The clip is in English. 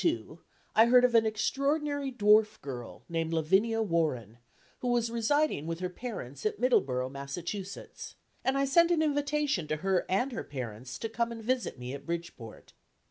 In 1862 I heard of an extraordinary dwarf girl, named Lavinia Warren, who was residing with her parents at Middleboro', Massachusetts, and I sent an invitation to her and her parents to come and visit me at Bridgeport.